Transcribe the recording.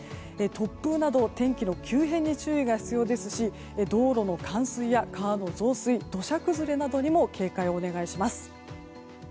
突風など天気の急変に注意が必要ですし道路の冠水や川の増水土砂崩れなどにも警戒をお願いします。